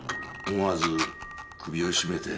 思わず首を絞めて。